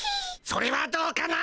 それはどうかな？